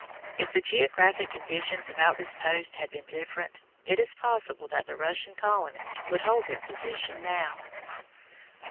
If the geographic conditions about this post had been different, it is possible that the Russian colonists would hold their position now.